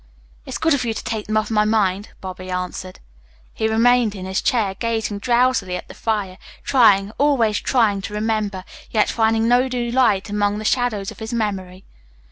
"It's good of you to take them off my mind," Bobby answered. He remained in his chair, gazing drowsily at the fire, trying, always trying to remember, yet finding no new light among the shadows of his memory.